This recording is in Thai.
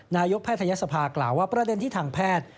นายกแพทยศภากล่าวว่าประเด็นที่ทางแพทย์